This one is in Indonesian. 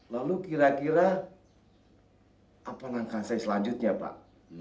lalu kira kira apa langkah saya selanjutnya pak